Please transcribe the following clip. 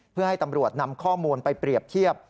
เพื่อให้ตำรวจนำข้อมูลไปเปรียบเทียบ